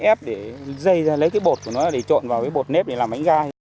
êp để dây ra lấy cái bột của nó để trộn vào cái bột nếp để làm bánh gai